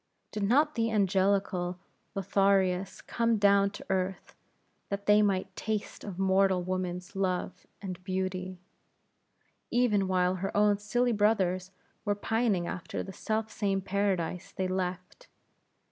Did not the angelical Lotharios come down to earth, that they might taste of mortal woman's Love and Beauty? even while her own silly brothers were pining after the self same Paradise they left?